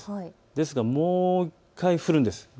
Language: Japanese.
ですがもう１回降るんです。